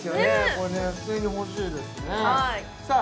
これね普通に欲しいですねさあ